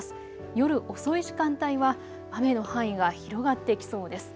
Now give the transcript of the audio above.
夜遅い時間帯は雨の範囲が広がってきそうです。